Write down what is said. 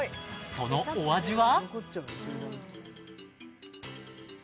そのお味は？